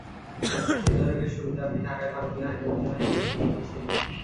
আশির দশকের শুরুতে আপনি ঢাকায় ভারতীয় হাইকমিশনার হিসেবে তিন বছর ছিলেন।